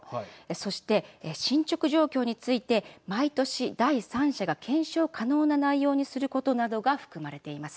そして、進捗状況について毎年、第三者が検証可能な内容にすることなどがはい。